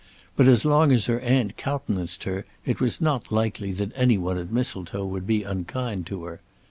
But as long as her aunt countenanced her it was not likely that any one at Mistletoe would be unkind to her.